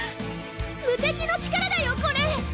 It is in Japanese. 無敵の力だよこれ！